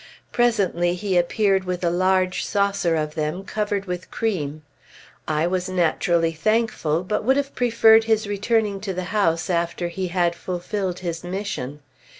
Presently he appeared with a large saucer of them covered with cream. I was naturally thankful, but would have preferred his returning to the house after he had fulfilled his mission.